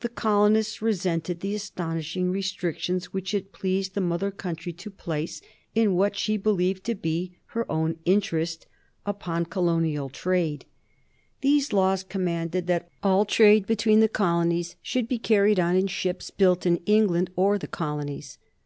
The colonists resented the astonishing restrictions which it pleased the mother country to place, in what she believed to be her own interest, upon colonial trade. These laws commanded that all trade between the colonies should be carried on in ships built in England or the colonies.